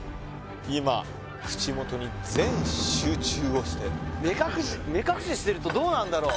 今口元に全集中をして目隠ししてるとどうなんだろう？